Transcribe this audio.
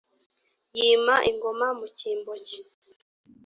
yima ingoma mu cyimbo cye